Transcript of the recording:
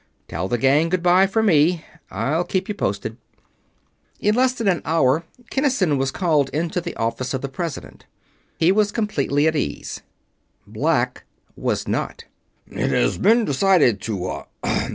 Tell the gang goodbye for me I'll keep you posted." In less than an hour Kinnison was called into the Office of the President. He was completely at ease; Black was not. "It has been decided to